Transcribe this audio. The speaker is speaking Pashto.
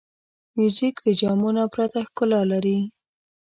موزیک د جامو نه پرته ښکلا لري.